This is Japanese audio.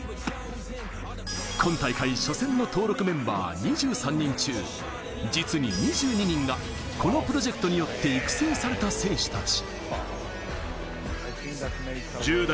今大会初戦の登録メンバー２３人中、実に２２人がこのプロジェクトによって育成された選手たち。